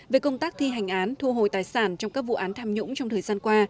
về công tác thi hành án thu hồi tài sản trong các vụ án tham nhũng trong thời gian qua